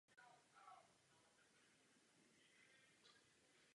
Jugoslávské námořnictvo ji plánovalo provozovat pod jménem "Rab".